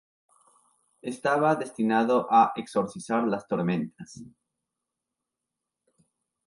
Estaba destinado a exorcizar las tormentas.